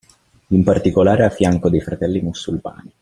In particolare a fianco dei fratelli musulmani.